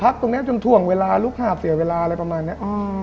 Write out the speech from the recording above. ตรงนี้จนถ่วงเวลาลูกหาบเสียเวลาอะไรประมาณนี้